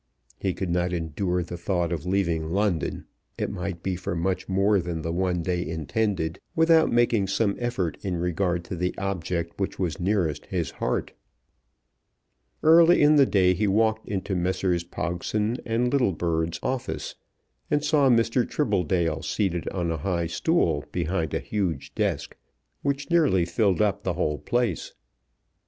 He could not endure the thought of leaving London, it might be for much more than the one day intended, without making some effort in regard to the object which was nearest his heart. Early in the day he walked into Messrs. Pogson and Littlebird's office, and saw Mr. Tribbledale seated on a high stool behind a huge desk, which nearly filled up the whole place.